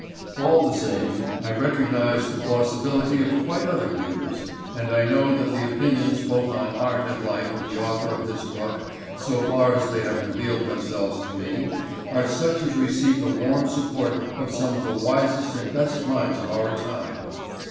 All the same, I recognise the plausibility of quite other views, and I know that the opinions both on art and life of the author of this book, so far as they have revealed themselves to me, are such as receive the warm support of some of the wisest and best minds of our time.